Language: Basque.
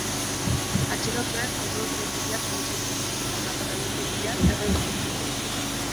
Atxilotuek autobus geltokiak suntsitu eta zabor edukiontziak erre dituzte.